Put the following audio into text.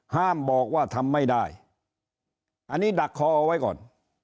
ห้ามบอกว่าทำไม่ได้อันนี้ดักคอเอาไว้ก่อน